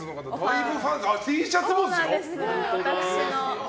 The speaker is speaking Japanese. Ｔシャツもですよ！